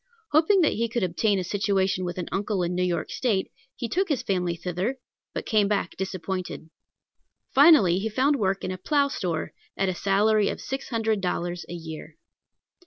Hoping that he could obtain a situation with an uncle in New York State, he took his family thither, but came back disappointed. Finally he found work in a plow store at a salary of six hundred dollars a year.